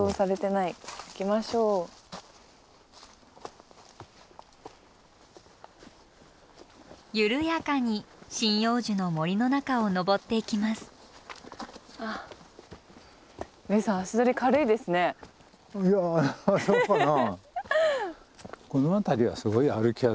いやそうかなあ。